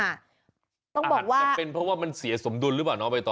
อาจจะเป็นเพราะว่ามันเสียสมดุลหรือเปล่าน้องใบตอ